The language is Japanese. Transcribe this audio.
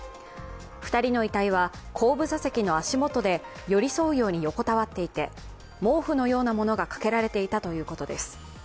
２人の遺体は、後部座席の足元で寄り添うように横たわっていて毛布のようなものがかけられていたということです。